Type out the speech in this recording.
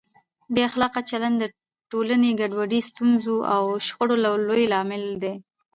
بې اخلاقه چلند د ټولنې ګډوډۍ، ستونزو او شخړو لوی لامل دی.